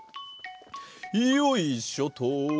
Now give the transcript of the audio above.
よいしょっと！